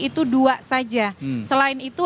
itu dua saja selain itu